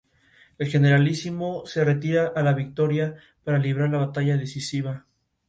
Como catedrático, llegó a ejercer el rectorado de la Universidad Nacional de Asunción.